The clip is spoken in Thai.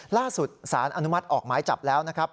ล่าสุดสารอนุมัติออกไม้จับแล้วนะครับ